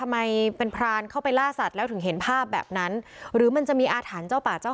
ไหนไหนก็ไปที่ไม่ตามไม่เตออะไรผมบอกว่าตรงตรงนั้นนี่มันมันเป็น